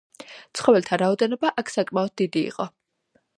ცხოველთა რაოდენობა აქ საკმაოდ დიდი იყო.